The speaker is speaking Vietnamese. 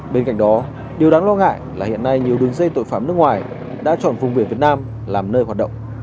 bên cạnh đó điều đáng lo ngại là hiện nay nhiều đường dây tội phạm nước ngoài đã chọn vùng biển việt nam làm nơi hoạt động